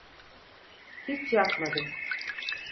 Hiç yapmadım.